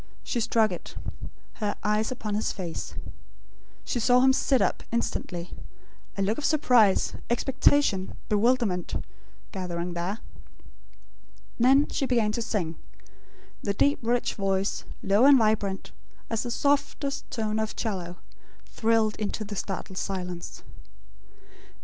She struck it; her eyes upon his face. She saw him sit up, instantly; a look of surprise, expectation, bewilderment, gathering there. Then she began to sing. The deep rich voice, low and vibrant, as the softest tone of 'cello, thrilled into the startled silence.